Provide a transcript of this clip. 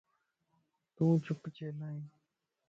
تون چپ ڇيلائين؟